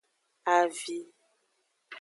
Avi.